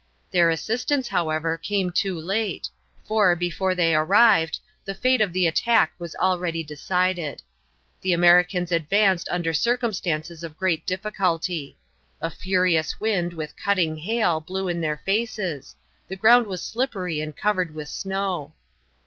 Their assistance, however, came too late, for, before they arrived, the fate of the attack was already decided. The Americans advanced under circumstances of great difficulty. A furious wind, with cutting hail, blew in their faces; the ground was slippery and covered with snow.